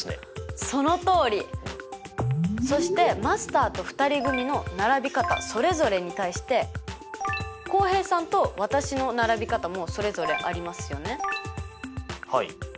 そしてマスターと２人組の並び方それぞれに対して浩平さんと私の並び方もそれぞれありますよね。